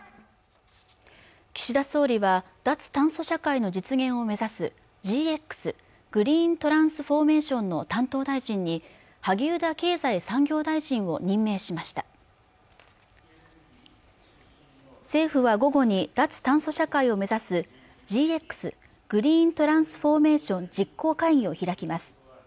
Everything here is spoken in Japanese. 岸田総理は脱炭素社会の実現を目指すＧＸ＝グリーントランスフォーメイションの担当大臣に萩生田経済産業大臣を任命しました政府は午後に脱炭素社会を目指すＧＸ＝グリーントランスフォーメーション実行会議を開きます